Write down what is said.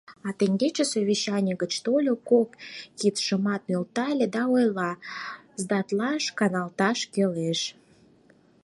А теҥгече совещаний гыч тольо, кок кидшымат нӧлтале да ойла: «Сдатлалташ, каналташ кӱлеш».